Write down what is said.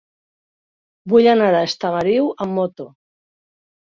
Vull anar a Estamariu amb moto.